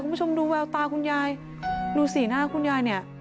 คุณผู้ชมดูแววตาคุณยายดูสีหน้าคุณยายเนี่ย